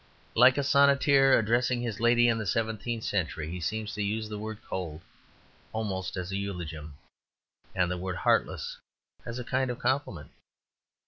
Like a sonneteer addressing his lady in the seventeenth century, he seems to use the word "cold" almost as a eulogium, and the word "heartless" as a kind of compliment.